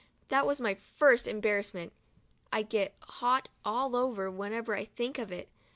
That was my first embarrassment — I get hot all over whenever I think of it.